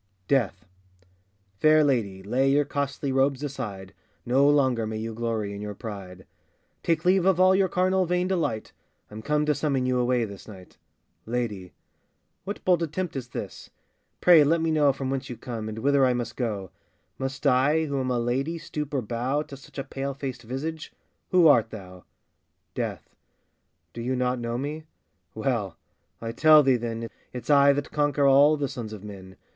] DEATH. FAIR lady, lay your costly robes aside, No longer may you glory in your pride; Take leave of all your carnal vain delight, I'm come to summon you away this night! LADY. What bold attempt is this? pray let me know From whence you come, and whither I must go? Must I, who am a lady, stoop or bow To such a pale faced visage? Who art thou? DEATH. Do you not know me? well! I tell thee, then, It's I that conquer all the sons of men!